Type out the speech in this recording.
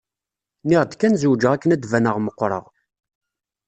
Nniɣ-d kan zewǧeɣ akken ad d-baneɣ meqqreɣ.